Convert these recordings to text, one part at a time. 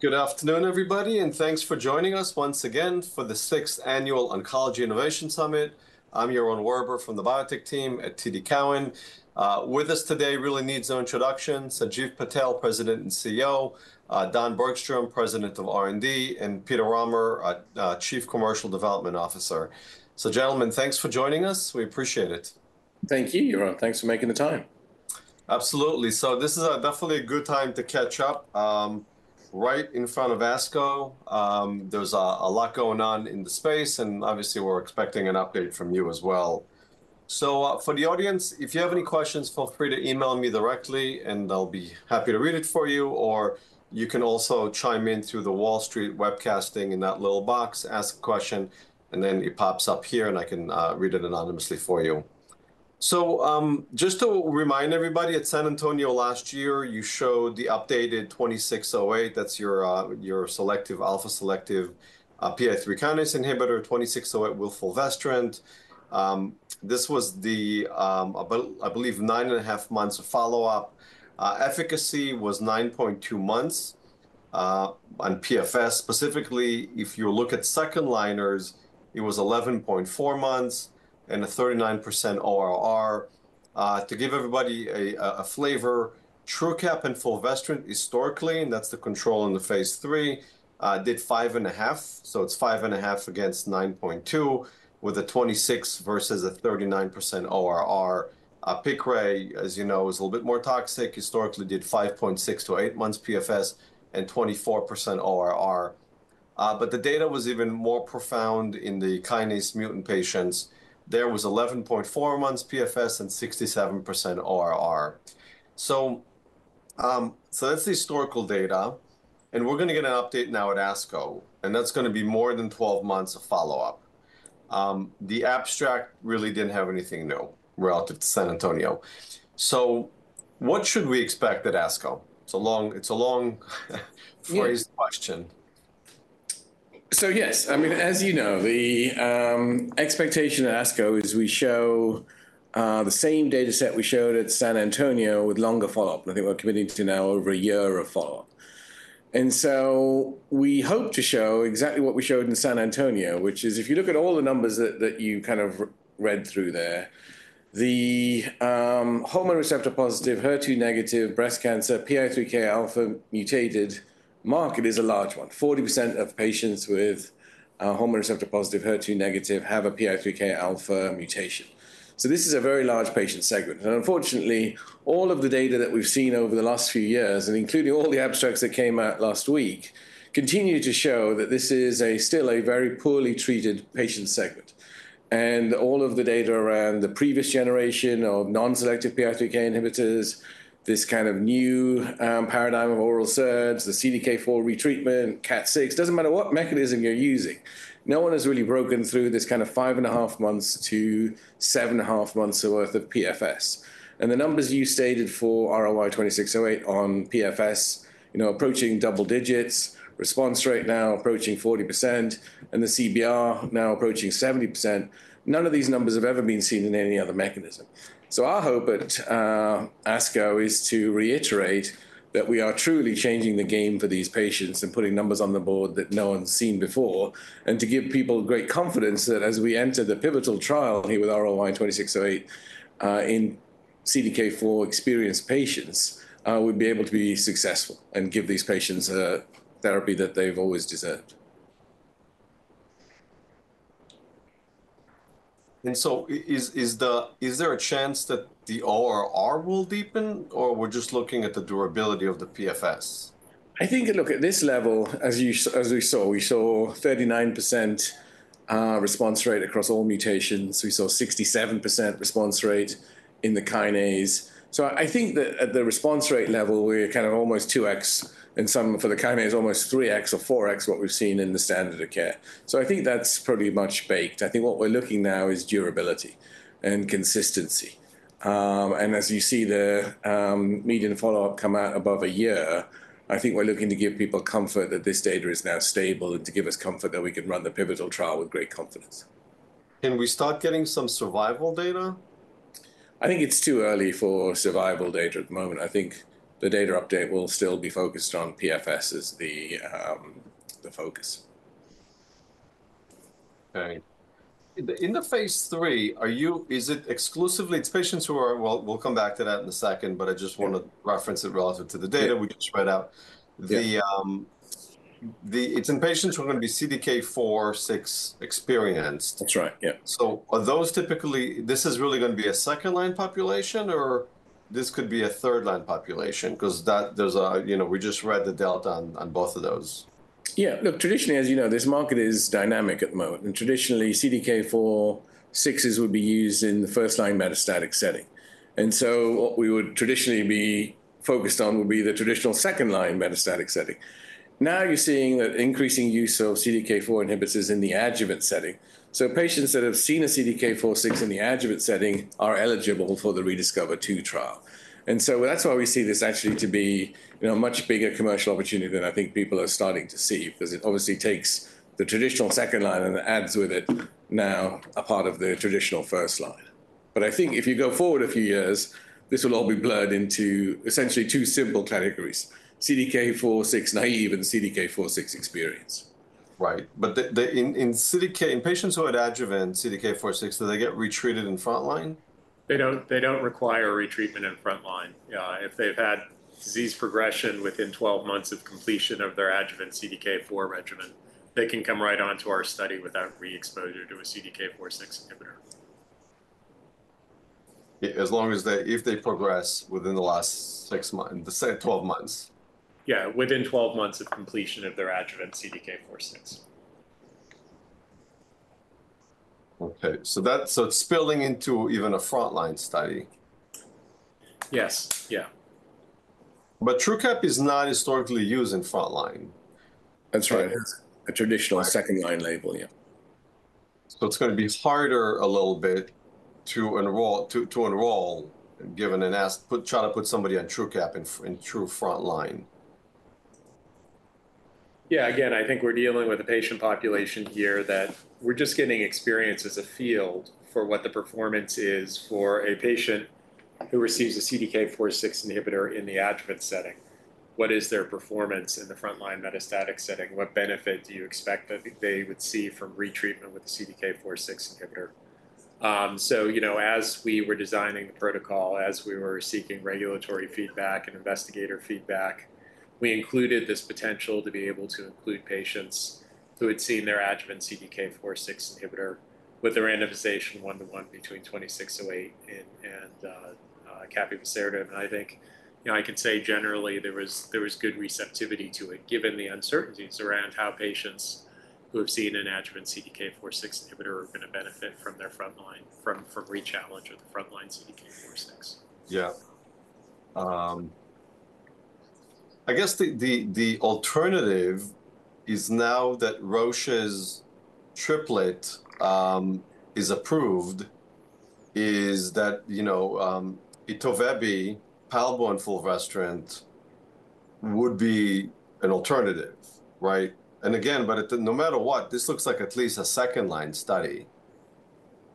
Good afternoon, everybody, and thanks for joining us once again for the 6th Annual Oncology Innovation Summit. I'm Yaron Werber from the biotech team at TD Cowen. With us today really needs no introduction: Sanjiv Patel, President and CEO; Don Bergstrom, President of R&D; and Peter Rahmer, Chief Commercial Development Officer. Gentlemen, thanks for joining us. We appreciate it. Thank you, Yaron. Thanks for making the time. Absolutely. This is definitely a good time to catch up. Right in front of ASCO, there is a lot going on in the space, and obviously, we are expecting an update from you as well. For the audience, if you have any questions, feel free to email me directly, and I will be happy to read it for you. You can also chime in through the Wall Street webcasting in that little box, ask a question, and then it pops up here, and I can read it anonymously for you. Just to remind everybody, at San Antonio last year, you showed the updated 2608. That is your selective, alpha-selective PI3Kα inhibitor, 2608 with fulvestrant. This was, I believe, nine and a half months of follow-up. Efficacy was 9.2 months on PFS. Specifically, if you look at second liners, it was 11.4 months and a 39% ORR. To give everybody a flavor, TRUQAP and fulvestrant historically, and that's the control in the Phase III, did five and a half. So it's five and a half against 9.2, with a 26% versus a 39% ORR. Piqray, as you know, is a little bit more toxic. Historically, did 5.6-8 months PFS and 24% ORR. The data was even more profound in the kinase mutant patients. There was 11.4 months PFS and 67% ORR. That's the historical data. We're going to get an update now at ASCO, and that's going to be more than 12 months of follow-up. The abstract really didn't have anything new relative to San Antonio. What should we expect at ASCO? It's a long, phrased question. Yes, I mean, as you know, the expectation at ASCO is we show the same data set we showed at San Antonio with longer follow-up. I think we're committing to now over a year of follow-up. We hope to show exactly what we showed in San Antonio, which is, if you look at all the numbers that you kind of read through there, the hormone-receptor positive, HER2-negative breast cancer PI3K alpha mutated market is a large one. 40% of patients with hormone-receptor positive, HER2-negative have a PI3K alpha mutation. This is a very large patient segment. Unfortunately, all of the data that we've seen over the last few years, including all the abstracts that came out last week, continue to show that this is still a very poorly treated patient segment. All of the data around the previous generation of non-selective PI3K inhibitors, this kind of new paradigm of oral SERD, the CDK4 retreatment, CAT6, does not matter what mechanism you are using, no one has really broken through this kind of five and a half months to seven and a half months' worth of PFS. The numbers you stated for RLY-2608 on PFS, approaching double digits, response rate now approaching 40%, and the CBR now approaching 70%, none of these numbers have ever been seen in any other mechanism. Our hope at ASCO is to reiterate that we are truly changing the game for these patients and putting numbers on the board that no one's seen before, and to give people great confidence that as we enter the pivotal trial here with RLY-2608 in CDK4 experienced patients, we'd be able to be successful and give these patients a therapy that they've always deserved. Is there a chance that the ORR will deepen, or we're just looking at the durability of the PFS? I think, look, at this level, as we saw, we saw 39% response rate across all mutations. We saw 67% response rate in the kinase. I think that at the response rate level, we're kind of almost 2x and some for the kinase, almost 3x or 4x what we've seen in the standard of care. I think that's pretty much baked. I think what we're looking now is durability and consistency. As you see the median follow-up come out above a year, I think we're looking to give people comfort that this data is now stable and to give us comfort that we can run the pivotal trial with great confidence. Can we start getting some survival data? I think it's too early for survival data at the moment. I think the data update will still be focused on PFS as the focus. Okay. In the Phase III, is it exclusively patients who are, we'll come back to that in a second, but I just want to reference it relative to the data we just read out. It's in patients who are going to be CDK4/6 experienced. That's right. Yeah. Are those typically, this is really going to be a second line population, or this could be a third line population? Because we just read the delta on both of those. Yeah. Look, traditionally, as you know, this market is dynamic at the moment. Traditionally, CDK4/6s would be used in the first line metastatic setting. What we would traditionally be focused on would be the traditional second line metastatic setting. Now you're seeing that increasing use of CDK4 inhibitors in the adjuvant setting. Patients that have seen a CDK4/6 in the adjuvant setting are eligible for the ReDiscover II trial. That's why we see this actually to be a much bigger commercial opportunity than I think people are starting to see. It obviously takes the traditional second line and adds with it now a part of the traditional first line. I think if you go forward a few years, this will all be blurred into essentially two simple categories: CDK4/6 naive and CDK4/6 experienced. Right. In patients who are adjuvant CDK4/6, do they get retreated in front line? They don't require re-treatment in front line. If they've had disease progression within 12 months of completion of their adjuvant CDK4 regimen, they can come right onto our study without re-exposure to a CDK4/6 inhibitor. As long as they, if they progress within the last six months, twelve months. Yeah, within 12 months of completion of their adjuvant CDK4/6. Okay. So it's spilling into even a front line study. Yes. Yeah. TRUQAP is not historically used in front line. That's right. It has a traditional second line label, yeah. It's going to be harder a little bit to enroll, given and try to put somebody on TRUQAP in true front line. Yeah. Again, I think we're dealing with a patient population here that we're just getting experience as a field for what the performance is for a patient who receives a CDK4/6 inhibitor in the adjuvant setting. What is their performance in the front line metastatic setting? What benefit do you expect that they would see from retreatment with a CDK4/6 inhibitor? As we were designing the protocol, as we were seeking regulatory feedback and investigator feedback, we included this potential to be able to include patients who had seen their adjuvant CDK4/6 inhibitor with a randomization one-to-one between 2608 and Capivasertib. I think I can say generally there was good receptivity to it, given the uncertainties around how patients who have seen an adjuvant CDK4/6 inhibitor are going to benefit from their front line, from re-challenge of the front line CDK4/6. Yeah. I guess the alternative is now that Roche's triplet is approved, is that etoveby, palbociclib, fulvestrant would be an alternative, right? And again, but no matter what, this looks like at least a second line study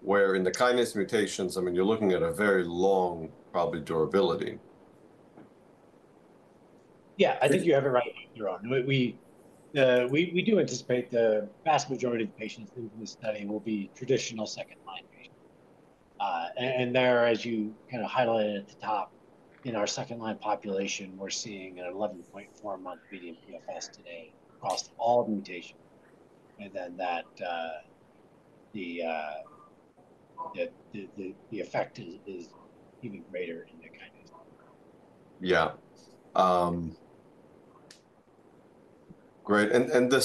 where in the kinase mutations, I mean, you're looking at a very long probably durability. Yeah, I think you have it right, Yaron. We do anticipate the vast majority of the patients in this study will be traditional second line patients. There, as you kind of highlighted at the top, in our second line population, we're seeing an 11.4 month median PFS today across all mutations. The effect is even greater in the kinase. Yeah. Great. The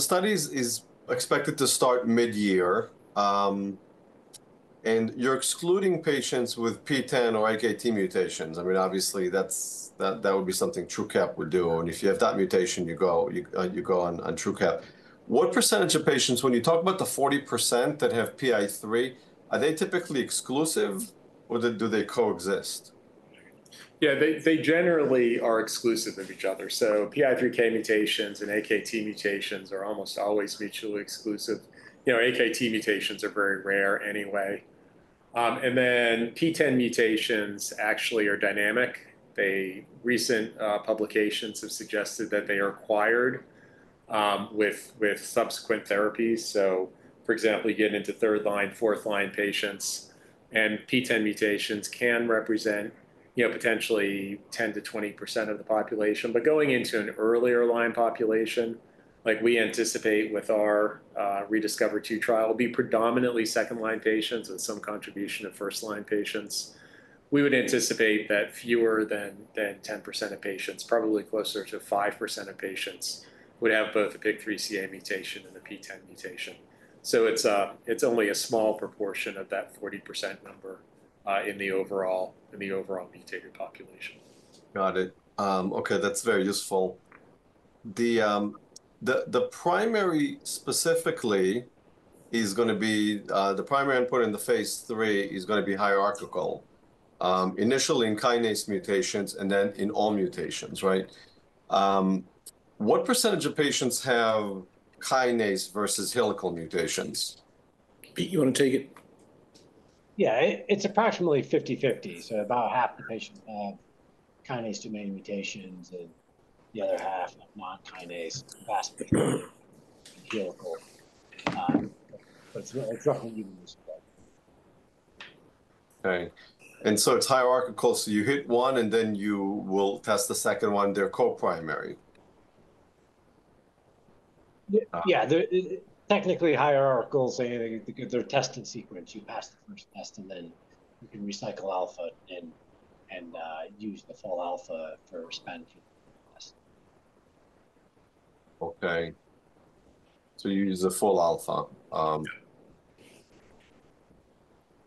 study is expected to start mid-year. You're excluding patients with PTEN or AKT mutations. I mean, obviously, that would be something TRUQAP would do. If you have that mutation, you go on TRUQAP. What percentage of patients, when you talk about the 40% that have PI3, are they typically exclusive, or do they coexist? Yeah, they generally are exclusive of each other. PI3K mutations and AKT mutations are almost always mutually exclusive. AKT mutations are very rare anyway. PTEN mutations actually are dynamic. Recent publications have suggested that they are acquired with subsequent therapies. For example, you get into third line, fourth line patients. PTEN mutations can represent potentially 10%-20% of the population. Going into an earlier line population, like we anticipate with our ReDiscover II trial, it will be predominantly second line patients with some contribution of first line patients. We would anticipate that fewer than 10% of patients, probably closer to 5% of patients, would have both a PIK3CA mutation and a PTEN mutation. It is only a small proportion of that 40% number in the overall mutated population. Got it. Okay, that's very useful. The primary specifically is going to be, the primary input in the Phase III is going to be hierarchical, initially in kinase mutations and then in all mutations, right? What percentage of patients have kinase versus helical mutations? Pete, you want to take it? Yeah, it's approximately 50/50. So about half the patients have kinase-domain mutations and the other half have non-kinase, vast majority helical. But it's roughly evenly spread. Okay. It is hierarchical. You hit one, and then you will test the second one, they are coprimary. Yeah, technically hierarchical, saying their tested sequence, you pass the first test, and then you can recycle alpha and use the full alpha for Span treatment. Okay. So you use the full alpha.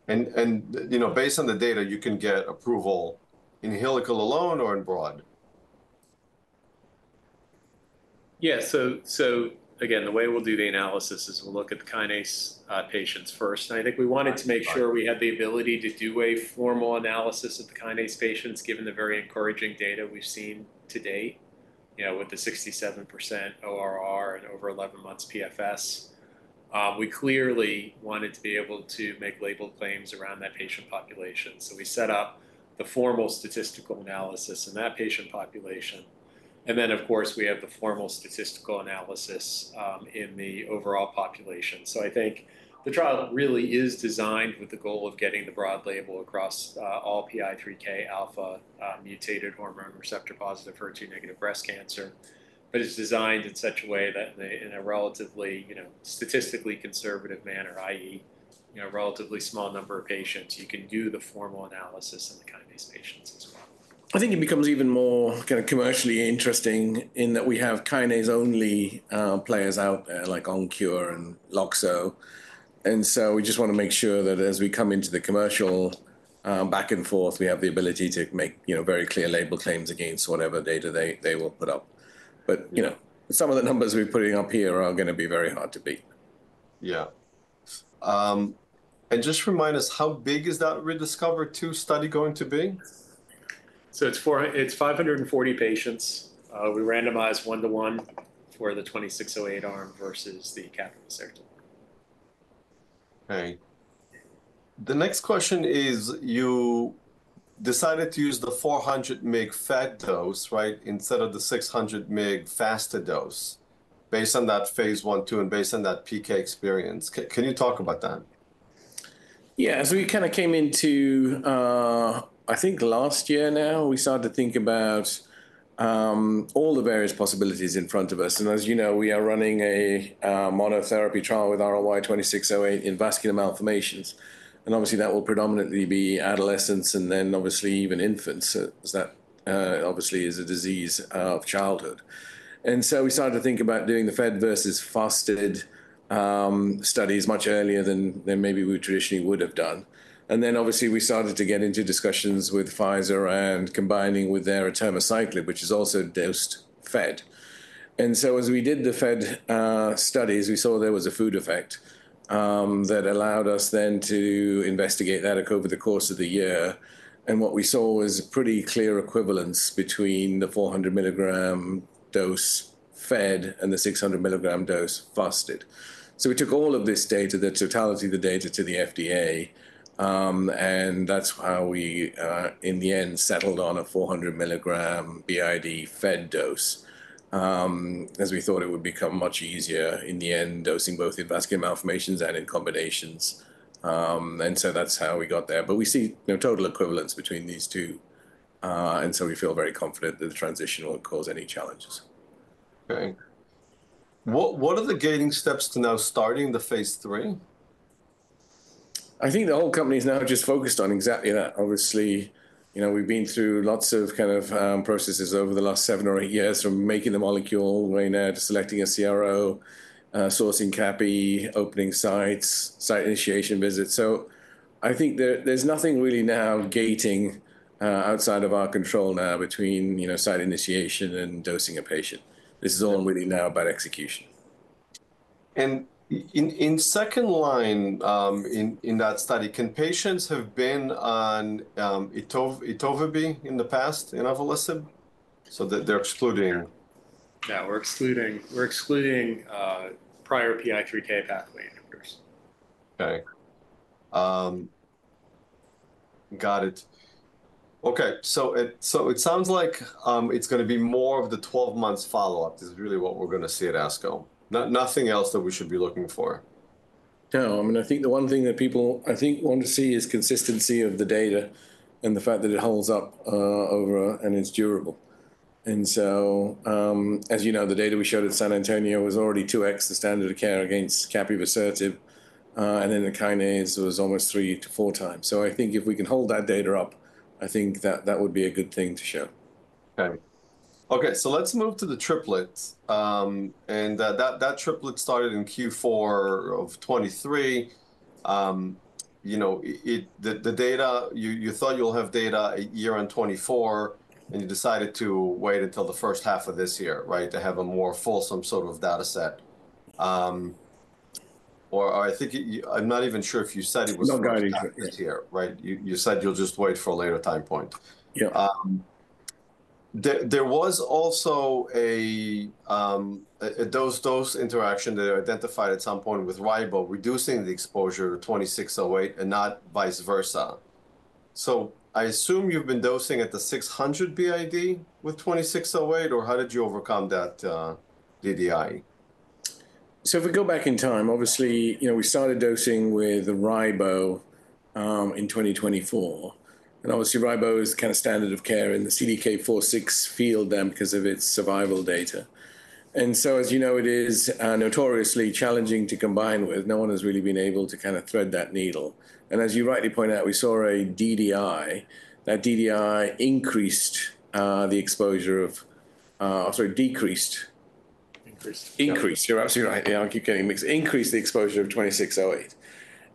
And based on the data, you can get approval in helical alone or in broad? Yeah. Again, the way we'll do the analysis is we'll look at the kinase patients first. I think we wanted to make sure we had the ability to do a formal analysis of the kinase patients, given the very encouraging data we've seen to date with the 67% ORR and over 11 months PFS. We clearly wanted to be able to make labeled claims around that patient population. We set up the formal statistical analysis in that patient population. Of course, we have the formal statistical analysis in the overall population. I think the trial really is designed with the goal of getting the broad label across all PI3Kα mutated hormone-receptor positive, HER2-negative breast cancer. It is designed in such a way that in a relatively statistically conservative manner, i.e., a relatively small number of patients, you can do the formal analysis in the kinase patients as well. I think it becomes even more kind of commercially interesting in that we have kinase-only players out there, like Oncure and Loxo. We just want to make sure that as we come into the commercial back and forth, we have the ability to make very clear label claims against whatever data they will put up. Some of the numbers we're putting up here are going to be very hard to beat. Yeah. Just remind us, how big is that ReDiscover II study going to be? It is 540 patients. We randomize one-to-one for the RLY-2608 arm versus the Capivasertib. Okay. The next question is, you decided to use the 400 mg Fed dose, right, instead of the 600 mg Fasted dose, based on that Phase I, II, and based on that PK experience. Can you talk about that? Yeah. As we kind of came into, I think, last year now, we started to think about all the various possibilities in front of us. As you know, we are running a monotherapy trial with RLY-2608 in vascular malformations. Obviously, that will predominantly be adolescents and then obviously even infants, as that obviously is a disease of childhood. We started to think about doing the fed versus fasted studies much earlier than maybe we traditionally would have done. Obviously, we started to get into discussions with Pfizer and combining with their Abemaciclib, which is also dosed fed. As we did the fed studies, we saw there was a food effect that allowed us then to investigate that over the course of the year. What we saw was pretty clear equivalence between the 400 mg dose Fed and the 600 mg dose Fasted. We took all of this data, the totality of the data to the FDA. That is how we, in the end, settled on a 400 mg b.i.d. Fed dose, as we thought it would become much easier in the end, dosing both in vascular malformations and in combinations. That is how we got there. We see total equivalence between these two. We feel very confident that the transition will not cause any challenges. Okay. What are the gating steps to now starting the Phase III? I think the whole company is now just focused on exactly that. Obviously, we've been through lots of kind of processes over the last seven or eight years, from making the molecule all the way now to selecting a CRO, sourcing CAPI, opening sites, site initiation visits. I think there's nothing really now gating outside of our control now between site initiation and dosing a patient. This is all really now about execution. In second line in that study, can patients have been on Alpelisib in the past in Alpelisib? So they're excluding. Yeah, we're excluding prior PI3K pathway inhibitors. Okay. Got it. Okay. It sounds like it's going to be more of the 12 months follow-up is really what we're going to see at ASCO. Nothing else that we should be looking for. No. I mean, I think the one thing that people, I think, want to see is consistency of the data and the fact that it holds up over and is durable. As you know, the data we showed at San Antonio was already 2x the standard of care against Capivasertib. Then the kinase was almost three to four times. I think if we can hold that data up, I think that that would be a good thing to show. Okay. Okay. Let's move to the triplet. That triplet started in Q4 of 2023. The data, you thought you'll have data year on 2024, and you decided to wait until the first half of this year, right, to have a more fulsome sort of data set. Or I think I'm not even sure if you said it was here, right? You said you'll just wait for a later time point. Yeah. There was also a dose-dose interaction that identified at some point with RIBO reducing the exposure to 2608 and not vice versa. I assume you've been dosing at the 600 b.i.d. with 2608, or how did you overcome that DDI? If we go back in time, obviously, we started dosing with RIBO in 2024. Obviously, RIBO is kind of standard of care in the CDK4/6 field then because of its survival data. As you know, it is notoriously challenging to combine with. No one has really been able to kind of thread that needle. As you rightly point out, we saw a DDI. That DDI increased the exposure of, sorry, decreased. Increased. Increased. You're absolutely right. Yeah, I keep getting mixed. Increased the exposure of 2608.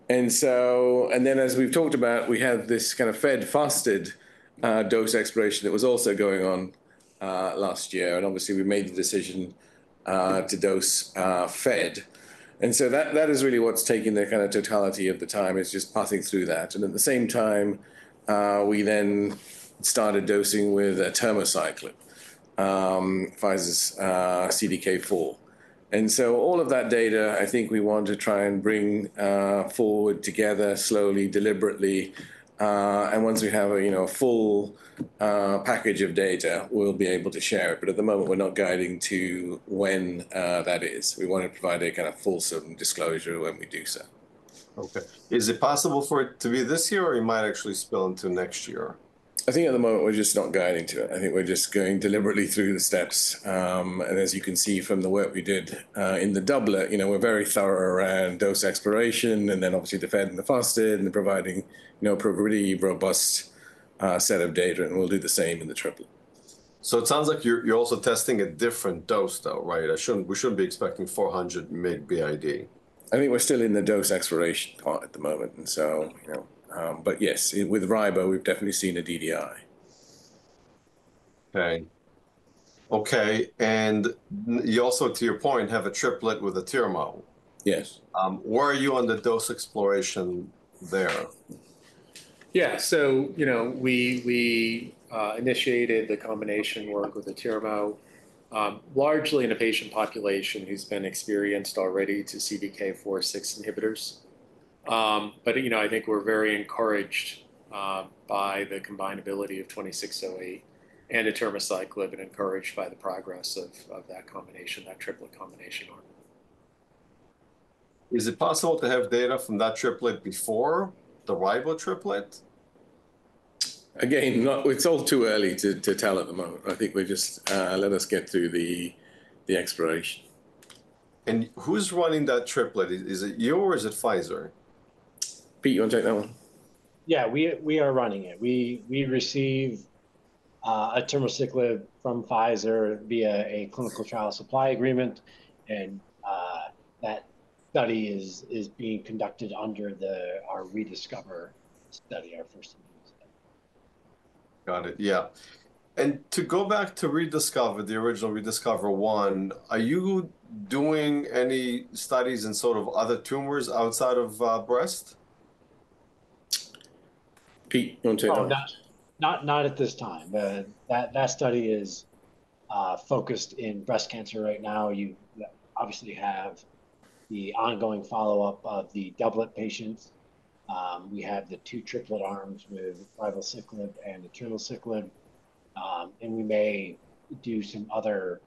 As we've talked about, we had this kind of Fed/Fasted dose exploration that was also going on last year. Obviously, we made the decision to dose Fed. That is really what's taking the totality of the time, just passing through that. At the same time, we then started dosing with Abemaciclib, Pfizer's CDK4/6. All of that data, I think we want to try and bring forward together slowly, deliberately. Once we have a full package of data, we'll be able to share it. At the moment, we're not guiding to when that is. We want to provide a kind of fulsome disclosure when we do so. Okay. Is it possible for it to be this year, or it might actually spill into next year? I think at the moment, we're just not guiding to it. I think we're just going deliberately through the steps. As you can see from the work we did in the doubler, we're very thorough around dose exploration and then obviously the Fed and the Fasted and providing a pretty robust set of data. We'll do the same in the triplet. It sounds like you're also testing a different dose, though, right? We shouldn't be expecting 400 mg b.i.d. I mean, we're still in the dose exploration part at the moment. Yes, with RIBO, we've definitely seen a DDI. Okay. Okay. And you also, to your point, have a triplet with a tiramo. Yes. Where are you on the dose exploration there? Yeah. We initiated the combination work with the triplet, largely in a patient population who's been experienced already to CDK4/6 inhibitors. I think we're very encouraged by the combinability of 2608 and Abemaciclib and encouraged by the progress of that combination, that triplet combination arm. Is it possible to have data from that triplet before the RIBO triplet? Again, it's all too early to tell at the moment. I think we just let us get through the exploration. Who's running that triplet? Is it you or is it Pfizer? Pete, you want to take that one? Yeah, we are running it. We receive Abemaciclib from Pfizer via a clinical trial supply agreement. That study is being conducted under our ReDiscover study, our first in the study. Got it. Yeah. To go back to Rediscover, the original Rediscover I, are you doing any studies in sort of other tumors outside of breast? Pete, you want to take that one? Not at this time. That study is focused in breast cancer right now. You obviously have the ongoing follow-up of the doublet patients. We have the two triplet arms with ribociclib and Abemaciclib. We may do some other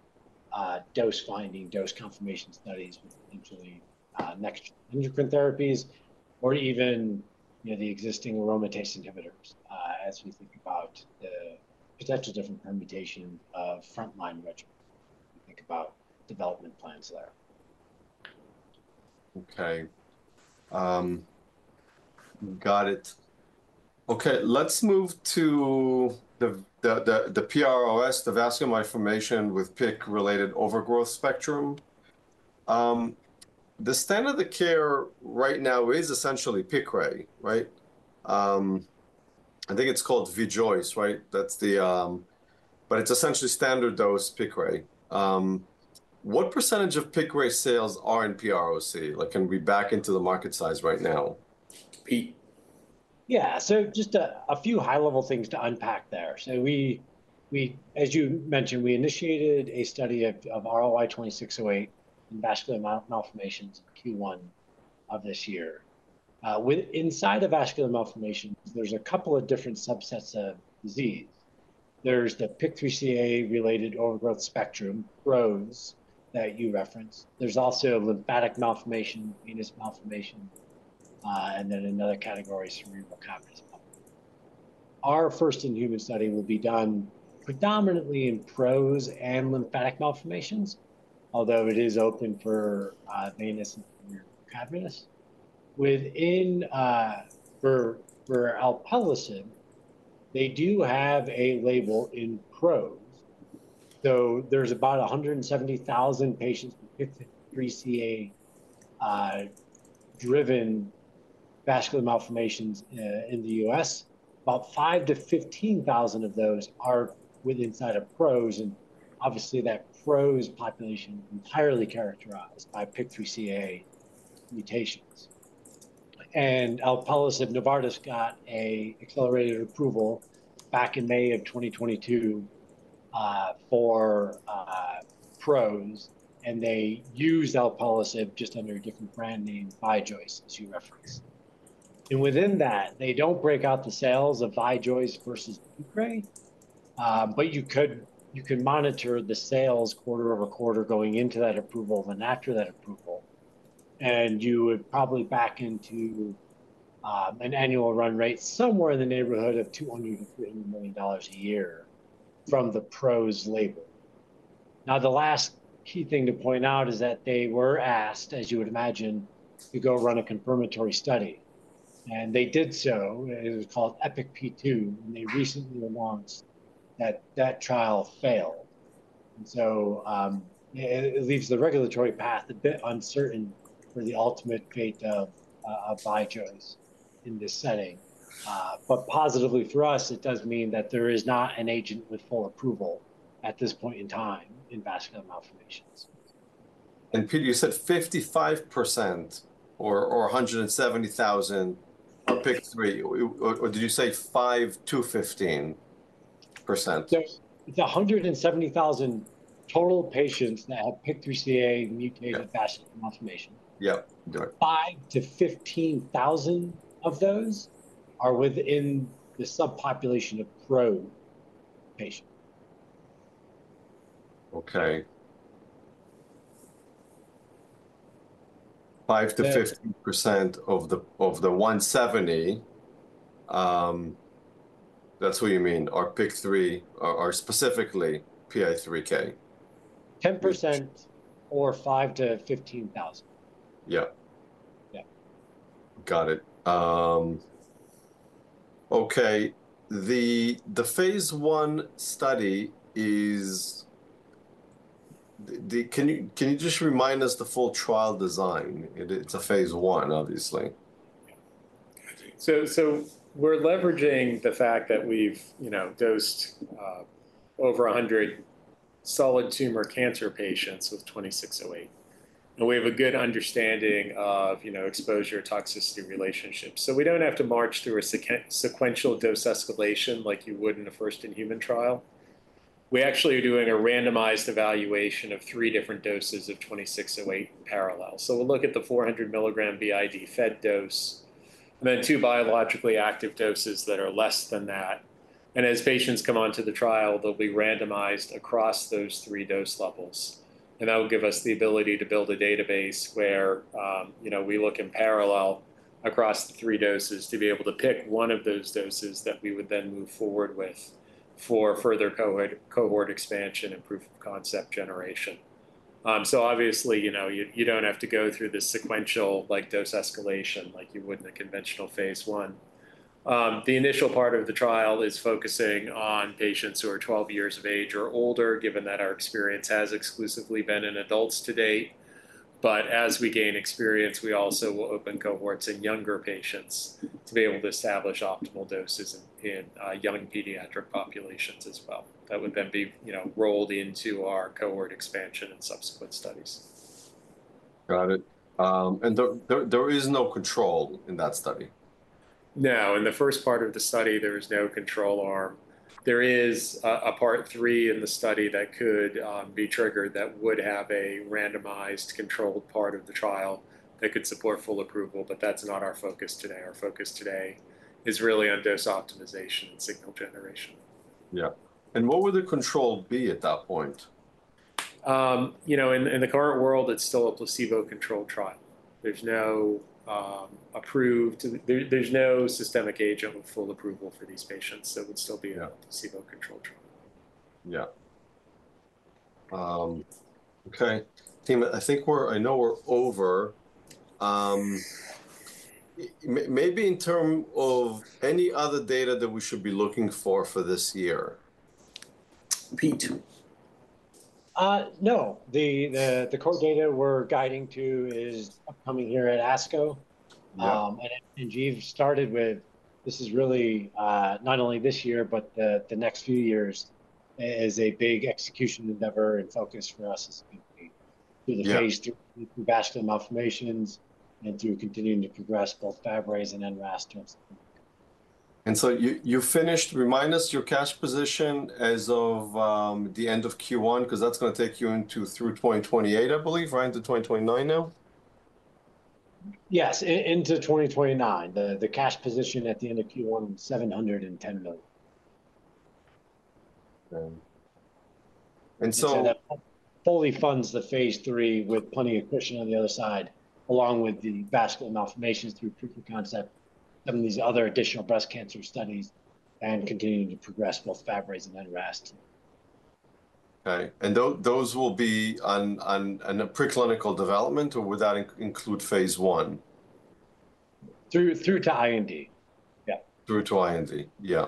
dose-finding, dose confirmation studies with potentially next-gen endocrine therapies or even the existing aromatase inhibitors as we think about the potential different permutation of frontline regimens as we think about development plans there. Okay. Got it. Okay. Let's move to the PROS, the vascular malformation with PI3K-related overgrowth spectrum. The standard of care right now is essentially Piqray, right? I think it's called Vijoice, right? But it's essentially standard dose Piqray. What percentage of Piqray sales are in PROS? Can we back into the market size right now? Pete. Yeah. So just a few high-level things to unpack there. As you mentioned, we initiated a study of RLY-2608 in vascular malformations in Q1 of this year. Inside of vascular malformations, there's a couple of different subsets of disease. There's the PIK3CA-related overgrowth spectrum, PROS, that you referenced. There's also lymphatic malformation, venous malformation, and then another category, cerebral cavernous malformation. Our first-in-human study will be done predominantly in PROS and lymphatic malformations, although it is open for venous and cerebral cavernous. Within, for Alpelisib, they do have a label in PROS. There's about 170,000 patients with PIK3CA-driven vascular malformations in the US. About 5,000-15,000 of those are inside of PROS. Obviously, that PROS population is entirely characterized by PIK3CA mutations. Alpelisib, Novartis got an accelerated approval back in May of 2022 for PROS. They used Alpelisib just under a different brand name, Vijoice, as you referenced. Within that, they do not break out the sales of Vijoice versus Piqray. You can monitor the sales quarter over quarter going into that approval and after that approval. You would probably back into an annual run rate somewhere in the neighborhood of $200 million-$300 million a year from the PROS label. The last key thing to point out is that they were asked, as you would imagine, to go run a confirmatory study. They did so. It was called EPIC P2. They recently announced that that trial failed. It leaves the regulatory path a bit uncertain for the ultimate fate of Vijoice in this setting. Positively for us, it does mean that there is not an agent with full approval at this point in time in vascular malformations. Pete, you said 55% or 170,000 for PI3K, or did you say 5-15%? So it's 170,000 total patients that have PIK3CA mutated vascular malformation. Yep. 5,000 to 15,000 of those are within the subpopulation of PROS patients. Okay. 5–15% of the 170, that's what you mean, are PIK3 or specifically PI3K? 10% or 5–15,000. Yeah.Piqra Got it. There is no control in that study? No. In the first part of the study, there is no control arm. There is a part three in the study that could be triggered that would have a randomized controlled part of the trial that could support full approval. That is not our focus today. Our focus today is really on dose optimization and signal generation. Yeah. What would the control be at that point? In the current world, it's still a placebo-controlled trial. There's no approved, there's no systemic agent with full approval for these patients. It would still be a placebo-controlled trial. Yeah. Okay. Team, I know we're over. Maybe in terms of any other data that we should be looking for for this year? No. The core data we're guiding to is upcoming here at ASCO. You started with this is really not only this year, but the next few years is a big execution endeavor and focus for us as a company through the Phase III, through vascular malformations, and through continuing to progress both FabRays and NRAS toxicity. You finished, remind us your cash position as of the end of Q1 because that's going to take you into through 2028, I believe, right? Into 2029 now? Yes. Into 2029. The cash position at the end of Q1 was $710 million. Okay. And so. Which fully funds the Phase III with plenty of cushion on the other side, along with the vascular malformations through proof of concept, some of these other additional breast cancer studies, and continuing to progress both Fabry and NRAS. Okay. And those will be on a preclinical development, or would that include Phase I? Through to IND. Yeah. Through to IND. Yeah.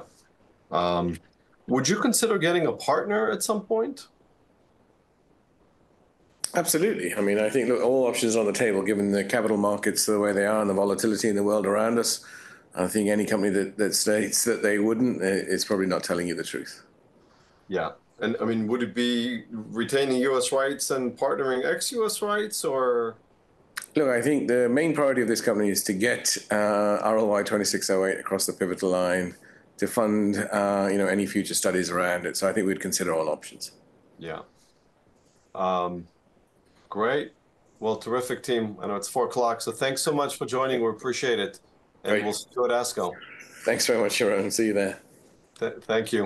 Would you consider getting a partner at some point? Absolutely. I mean, I think all options are on the table given the capital markets the way they are and the volatility in the world around us. I think any company that states that they wouldn't, it's probably not telling you the truth. Yeah. I mean, would it be retaining US rights and partnering ex-US rights, or? Look, I think the main priority of this company is to get RLY-2608 across the pivotal line to fund any future studies around it. So I think we'd consider all options. Yeah. Great. Terrific, team. I know it's 4:00. Thanks so much for joining. We appreciate it. We'll see you at ASCO. Thanks very much, Yaron. See you there. Thank you.